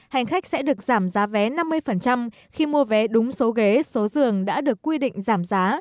hành khách sẽ được giảm giá vé năm mươi khi mua vé đúng số ghế số giường đã được quy định giảm giá